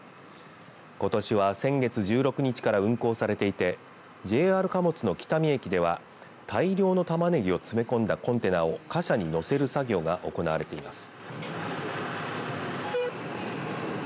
ことしは先月１６日から運行されていてＪＲ貨物の北見駅では大量の玉ねぎを詰め込んだコンテナを貨車に載せる作業が行われています。